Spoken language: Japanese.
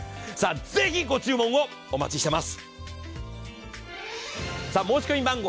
ぜひ、ご注文をお待ちしています。